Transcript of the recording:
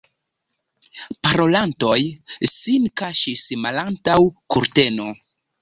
Parolantoj sin kaŝis malantaŭ kurteno.